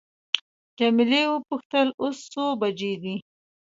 جميله وپوښتل اوس څو بجې دي.